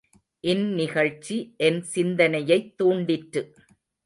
இந்நிகழ்ச்சி என் சிந்தனையைத் தூண்டிற்று.